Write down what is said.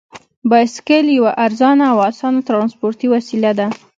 بایسکل یوه ارزانه او اسانه ترانسپورتي وسیله ده.